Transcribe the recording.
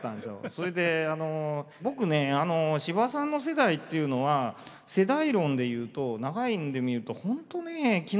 それで僕ね司馬さんの世代っていうのは世代論で言うと長い目で見ると本当ね気の毒な世代です。